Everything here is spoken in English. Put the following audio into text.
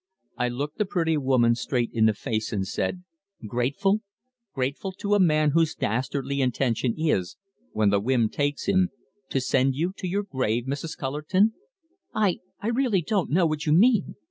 I looked the pretty woman straight in the face, and said: "Grateful! Grateful to a man whose dastardly intention is, when the whim takes him, to send you to your grave, Mrs. Cullerton?" "I I really don't know what you mean.